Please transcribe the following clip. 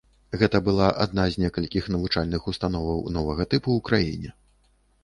Гэта была адна з некалькіх навучальных установаў новага тыпу ў краіне.